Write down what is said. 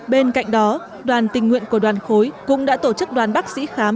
bên cạnh đó đoàn tình nguyện của đoàn khối cũng đã tổ chức đoàn bác sĩ khám